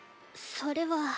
それは。